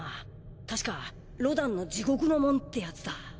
たしかロダンの地獄の門ってやつだ。